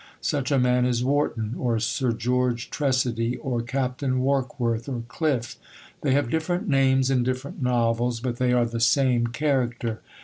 Such a man is Wharton, or Sir George Tressady, or Captain Warkworth, or Cliffe they have different names in different novels, but they are the same character.